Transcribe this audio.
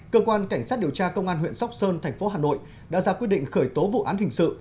cơ quan cảnh sát điều tra công an huyện sóc sơn thành phố hà nội đã ra quyết định khởi tố vụ án hình sự